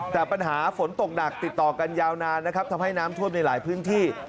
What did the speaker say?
แต่ปัญหาฝนตกหนักติดต่อกันยาวนานนะครับทำให้น้ำท่วมในหลายพื้นที่